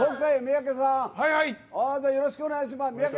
よろしくお願いします。